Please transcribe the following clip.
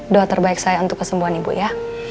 doa terbaik saya untuk kesembuhan ibu ya